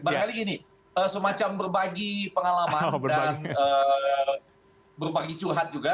barangkali gini semacam berbagi pengalaman dan berbagi curhat juga